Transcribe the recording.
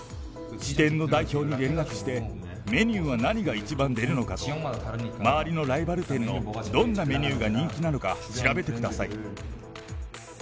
支店の代表に連絡して、メニューは何が一番出るのかと、周りのライバル店のどんなメニューが人気なのか調べてください。